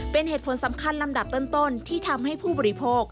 เป็นเหตุผลสำคัญลำดับต้นที่ทำให้ผู้บริโภค